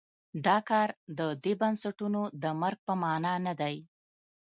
دا کار د دې بنسټونو د مرګ په معنا نه دی.